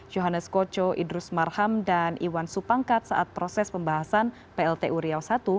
johannes kocot idrus marham dan iwan supangkat saat proses pembahasan plt uriau i